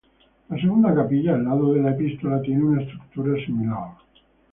La segunda capilla, al lado de la Epístola, tiene una estructura similar.